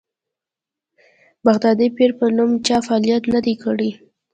بغدادي پیر په نوم چا فعالیت نه دی کړی.